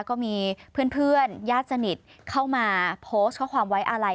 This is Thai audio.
ก็มีเพื่อนญาติสนิทเข้ามาโพสต์ข้อความไว้อาลัย